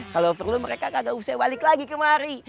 kalau perlu mereka tidak usah balik lagi kemari